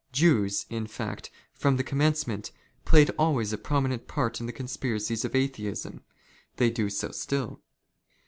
Jews, in fact, from the commencement, played always a prominent part in the conspiracies of Atheism. They do so still.